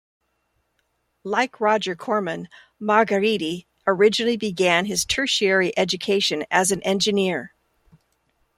Like Roger Corman, Margheriti originally began his tertiary education as an engineer.